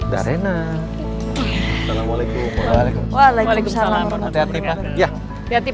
hati hati pak surya